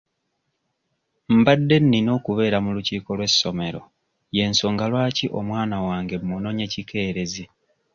Mbadde nina okubeera mu lukiiko lw'essomero y'ensonga lwaki omwana wange mmunonye kikeerezi.